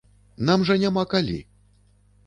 Нам жа няма калі!